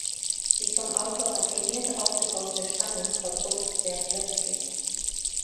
Die vom Autor raffiniert aufgebaute Spannung verpufft sehr plötzlich.